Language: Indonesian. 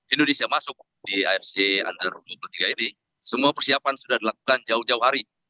indonesia masuk di afc under dua puluh tiga ini semua persiapan sudah dilakukan jauh jauh hari